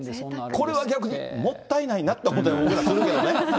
これは逆にもったいなって思ったりもするけどね。